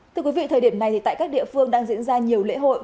thưa quý vị thời điểm này tại các địa phương đang diễn ra nhiều lễ hội